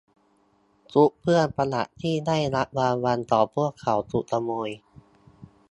ชุดเครื่องประดับที่ได้รับรางวัลของพวกเขาถูกขโมย